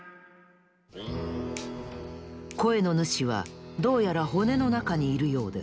こえのぬしはどうやら骨のなかにいるようです。